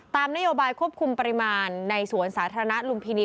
นโยบายควบคุมปริมาณในสวนสาธารณะลุมพินี